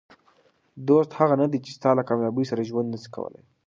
دوست هغه نه دئ، چي ستا له کامیابۍ سره ژوند نسي کولای.